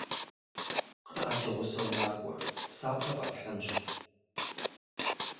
Кхъыӏэ, си гъусэу накӏуэ, псапэ къэпхьынщ.